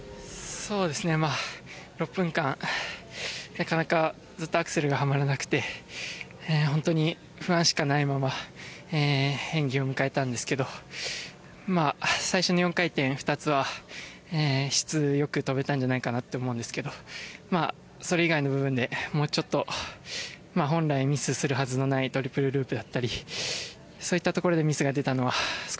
そうですねまあ６分間なかなかずっとアクセルがはまらなくて本当に不安しかないまま演技を迎えたんですけどまあ最初の４回転２つは質良く跳べたんじゃないかなって思うんですけどそれ以外の部分でもうちょっと本来ミスするはずのないトリプルループだったりそういったところでミスが出たのは少し悔しいです。